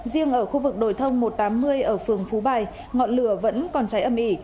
riêng ở khu vực đồi thông một trăm tám mươi ở phường phú bài ngọn lửa vẫn còn cháy âm ỉ